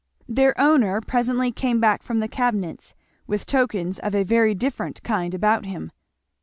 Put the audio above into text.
Their owner presently came back from the cabinets with tokens of a very different kind about him.